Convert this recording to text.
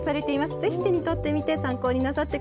ぜひ手に取ってみて参考になさってください。